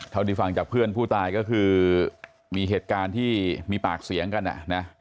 ที่ฟังจากเพื่อนผู้ตายก็คือมีเหตุการณ์ที่มีปากเสียงกันอ่ะนะ